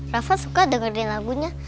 rafa suka dengerin lagunya